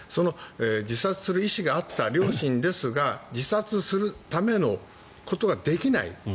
自殺する意思があった両親ですが自殺するためのことができない。